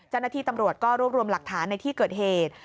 เจ้าหน้าที่ตำรวจก็รวบรวมหลักฐานในที่เกิดเหตุ